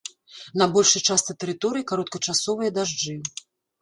На большай частцы тэрыторыі кароткачасовыя дажджы.